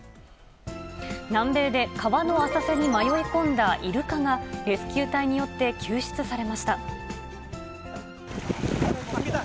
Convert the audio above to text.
南米で川の浅瀬に迷い込んだイルカが、レスキュー隊によって救出されました。